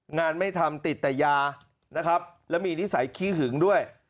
งานไม่ทำติดแต่ยานะครับแล้วมีนิสัยขี้หึงด้วย